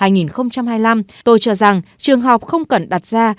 năm hai nghìn hai mươi bốn hai nghìn hai mươi năm tôi cho rằng trường học không cần đặt ra